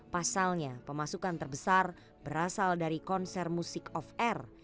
pasalnya pemasukan terbesar berasal dari konser musik off air